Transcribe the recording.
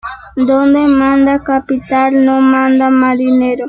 Donde manda capitán, no manda marinero